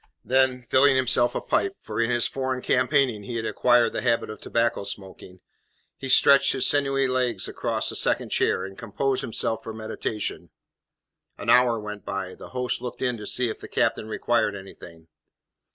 Then, filling himself a pipe for in his foreign campaigning he had acquired the habit of tobacco smoking he stretched his sinewy legs across a second chair, and composed himself for meditation. An hour went by; the host looked in to see if the captain required anything.